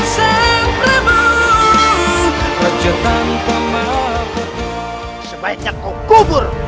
sebaiknya kau kubur